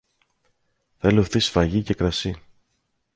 Θέλω ευθύς φαγί και κρασί.